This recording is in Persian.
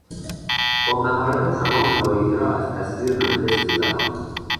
با مهارت تمام لایحه را از تصویب مجلس گذراند.